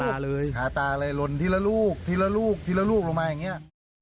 เป็นขาตาเลยร่นทีละลูกลงมาอย่างนี้